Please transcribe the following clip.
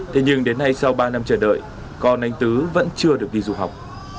thế nhưng đến nay sau ba năm chờ đợi con anh tứ vẫn chưa được đi du học